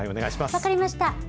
分かりました。